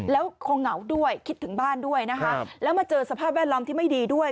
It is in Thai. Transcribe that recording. แล้วคงเหงาด้วยคิดถึงบ้านด้วยนะคะแล้วมาเจอสภาพแวดล้อมที่ไม่ดีด้วย